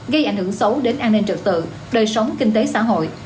gây ảnh hưởng xấu đến an ninh trực tự đời sống kinh tế xã hội